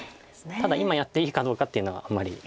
ただ今やっていいかどうかっていうのがあまり。